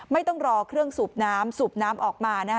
ไม่ต้องรอเครื่องสูบน้ำสูบน้ำออกมานะคะ